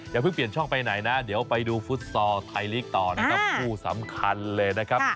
อย่าเพิ่งเปลี่ยนช่องไปไหนนะเดี๋ยวไปดูฟุตซอลไทยลีกต่อนะครับคู่สำคัญเลยนะครับ